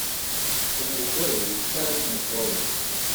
umugore cyangwa umukobwa